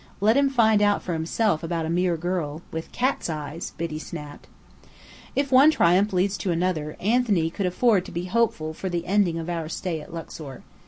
Let him find out for himself about a mere girl " "With cat's eyes." Biddy snapped. If one triumph leads to another, Anthony could afford to be hopeful for the ending of our stay at Luxor.